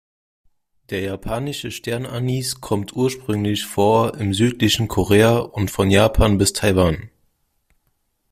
Der Japanische Sternanis kommt ursprünglich vor im südlichen Korea und von Japan bis Taiwan.